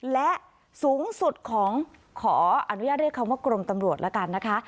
และสูงสุดของขออนุญาตเรียกคำว่ากรมตำรวจละกันนะคะ